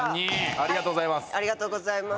ありがとうございます。